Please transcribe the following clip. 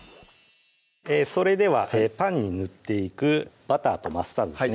それではパンに塗っていくバターとマスタードですね